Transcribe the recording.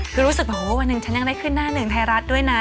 คือรู้สึกแบบว่าวันหนึ่งฉันยังได้ขึ้นหน้าหนึ่งไทยรัฐด้วยนะ